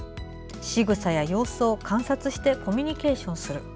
しぐさや様子を観察してコミュニケーションする。